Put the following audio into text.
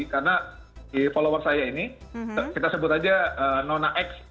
karena follower saya ini kita sebut aja nona x